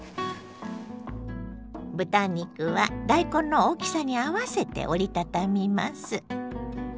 豚肉は大根の大きさに合わせて折り畳みます。